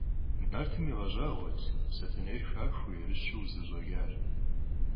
Нартым игъэщӀагъуэт Сэтэней хахуэу, ерыщу къызэрыщӀэкӀар.